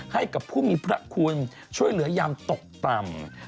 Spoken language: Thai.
ให้กับผู้มีพระคุณช่วยเหลือยามตกต่ำ